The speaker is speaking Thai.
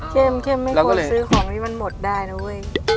เข้มไม่ควรซื้อของนี้มันหมดได้นะเว้ย